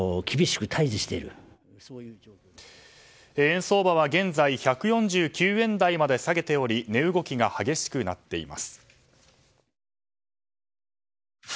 円相場は現在１４９円台まで下げており値動きが激しくなっています。